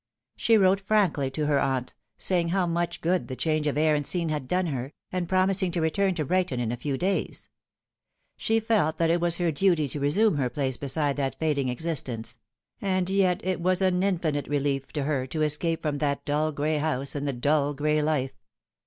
She wrote frankly to her aunt, saying how much good the change of air and scene had done her, and pro mising to return to Brighton in a few days. She felt that it was her duty to resume her place beside that fading existence ; and yet it was an infinite relief to her to escape from that dull gray house and the dull gray life.